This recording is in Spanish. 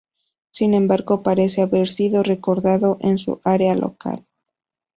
Sin embargo, parece haber sido recordado en su área local.